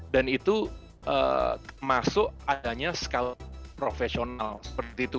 dan itu masuk adanya skala profesional seperti itu